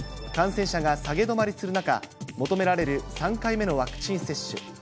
感染者が下げ止まりする中、求められる３回目のワクチン接種。